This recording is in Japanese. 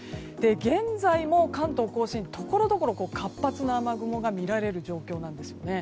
現在も、関東・甲信ところどころで活発な雨雲が見られる状況なんですね。